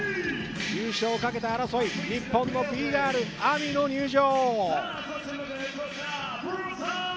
優勝をかけた争い、日本のＢ−ＧＩＲＬＡＭＩの入場。